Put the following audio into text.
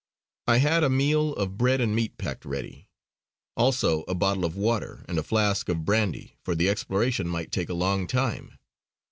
I had a meal of bread and meat packed ready; also a bottle of water and a flask of brandy, for the exploration might take a long time.